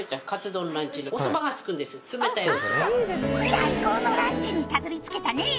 「最高のランチにたどり着けたね」